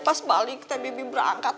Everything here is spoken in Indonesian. pas balik teh bibi berangkat